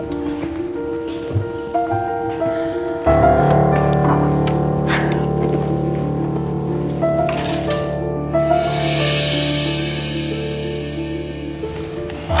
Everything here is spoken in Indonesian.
kita tunggu aja